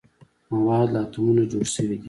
مواد له اتومونو جوړ شوي دي.